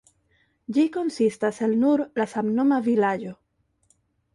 Ĝi konsistas el nur la samnoma vilaĝo.